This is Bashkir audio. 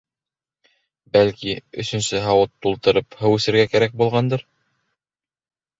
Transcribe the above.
Бәлки, өсөнсөгә һауыт тултырып һыу эсергә кәрәк булғандыр?